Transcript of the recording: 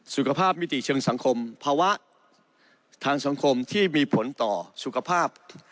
สุขภาพมิติเชิงสังคมภาวะทางสังคมที่มีผลต่อสุขภาพ